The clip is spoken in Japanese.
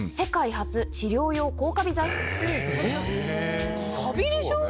えっ？カビでしょ？